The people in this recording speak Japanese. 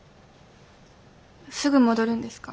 すぐ戻るんですか？